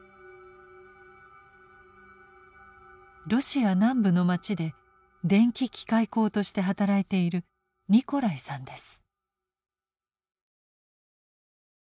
ロシア南部の町で電気機械工として働いているニコライさんです。